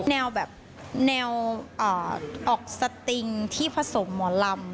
แนวแบบแนวออกสติงที่ผสมหมอลำ